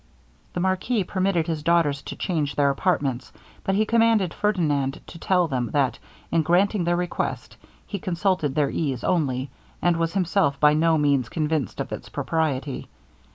The marquis permitted his daughters to change their apartments, but he commanded Ferdinand to tell them, that, in granting their request, he consulted their ease only, and was himself by no means convinced of its propriety.